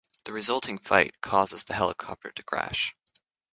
The resulting fight causes the helicopter to crash.